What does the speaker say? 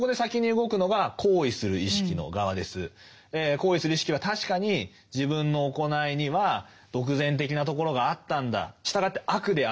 行為する意識は確かに自分の行いには独善的なところがあったんだ。